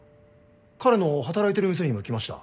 彼の働いてる店にも行きました。